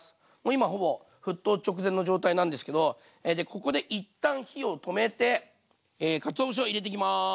今ほぼ沸騰直前の状態なんですけどここで一旦火を止めてかつお節を入れていきます。